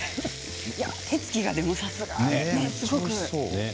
手つきが、さすがですね